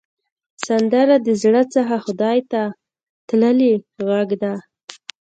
سندره د زړه څخه خدای ته تللې غږ ده